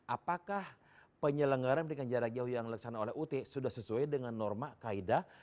apakah penyelenggara pendidikan jarak jauh yang dilaksanakan oleh ut sudah sesuai dengan norma kaida pendidikan jarak jauh